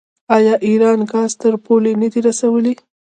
آیا ایران ګاز تر پولې نه دی رسولی؟